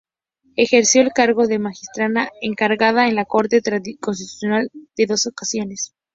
Ejerció el cargo de magistrada encargada de la Corte Constitucional en dos ocasiones.